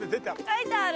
書いてある！